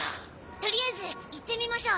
取りあえず行ってみましょう。